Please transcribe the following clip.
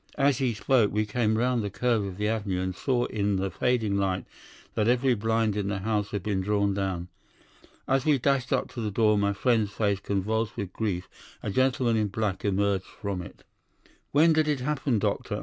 "As he spoke we came round the curve of the avenue, and saw in the fading light that every blind in the house had been drawn down. As we dashed up to the door, my friend's face convulsed with grief, a gentleman in black emerged from it. "'When did it happen, doctor?